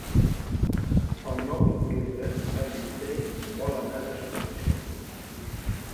El nou d'octubre en Guifré vol anar d'excursió.